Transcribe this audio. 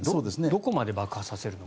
どこまで爆破させるのか。